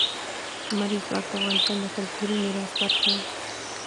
لمریز ځواک د افغانستان د کلتوري میراث برخه ده.